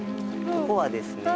ここはですね